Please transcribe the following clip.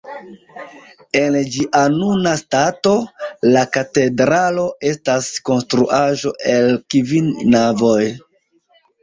En ĝia nuna stato, la katedralo estas konstruaĵo el kvin navoj.